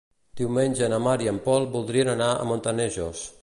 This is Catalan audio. Diumenge na Mar i en Pol voldrien anar a Montanejos.